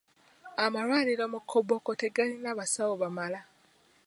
Amalwaliro mu Koboko tegalina basawo bamala.